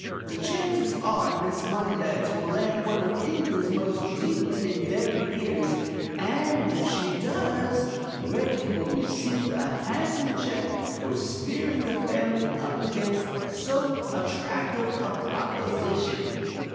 The chances are Miss Moneybags will land one of England's most deeply indebted peers, and if she does, Reggie will receive a handsome cheque for steering the family up against so attractive a proposition."